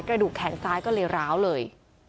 กระดูกแขนซ้ายก็เลยร้าวเลย